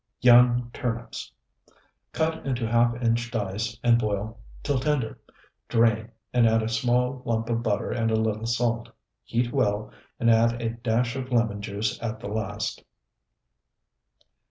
YOUNG TURNIPS Cut into half inch dice and boil till tender; drain and add a small lump of butter and a little salt; heat well and add a dash of lemon juice at the last.